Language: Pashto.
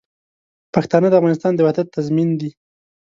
پښتانه د افغانستان د وحدت تضمین دي.